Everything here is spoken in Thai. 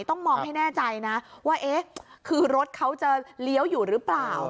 ต้องมองให้แน่ใจนะว่าเอ๊ะคือรถเขาจะเลี้ยวอยู่หรือเปล่า